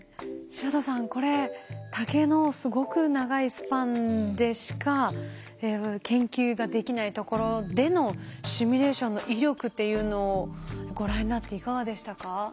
柴田さんこれ竹のすごく長いスパンでしか研究ができないところでのシミュレーションの威力っていうのをご覧になっていかがでしたか？